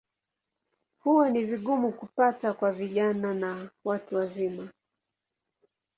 Huwa ni vigumu kupata kwa vijana na watu wazima.